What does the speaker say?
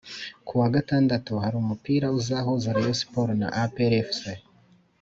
kuwagatandatu hari umupira uzahuza rayonsport na aprfc